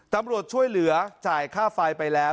ตำรวจช่วยเหลือจ่ายค่าไฟไปแล้ว